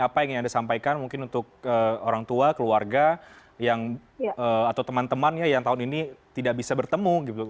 apa yang ingin anda sampaikan mungkin untuk orang tua keluarga atau teman teman yang tahun ini tidak bisa bertemu gitu